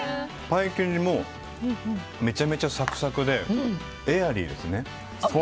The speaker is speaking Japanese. パイ生地もめちゃめちゃサクサクでエアリーですね。